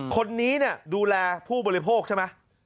คนนี้ดูแลผู้บริโภคใช่ไหม